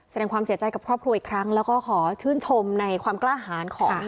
แสดงความเสียใจกับครอบครัวอีกครั้งแล้วก็ขอชื่นชมในความกล้าหารของ